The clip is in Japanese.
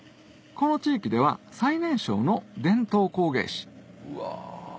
この地域では最年少の伝統工芸師うわ。